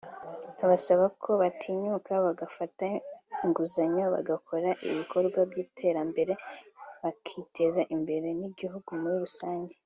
abasaba ko batinyuka bagafata inguzanyo bagakora ibikorwa by’iterambere bakiteza imbere n’igihugu muri rusange